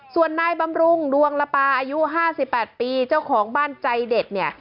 ส่วนนายบำรุงดวงละปาอายุ๕๘ปีเจ้าของบ้านใจเด็ดเนี่ย